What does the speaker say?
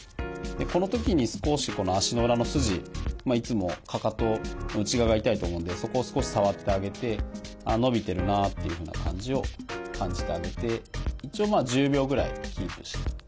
このときに少しこの足の裏の筋いつもかかとの内側が痛いと思うのでそこを少し触ってあげて伸びてるなっていうふうな感じを感じてあげて一応まあ１０秒ぐらいキープして。